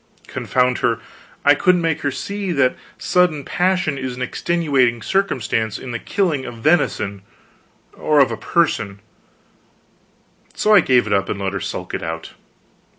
Confound her, I couldn't make her see that sudden passion is an extenuating circumstance in the killing of venison or of a person so I gave it up and let her sulk it out.